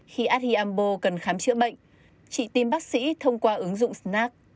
khi adhiambo cần khám chữa bệnh chị tìm bác sĩ thông qua ứng dụng snack